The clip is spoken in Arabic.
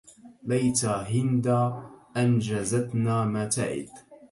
ليت هندا أنجزتنا ما تعد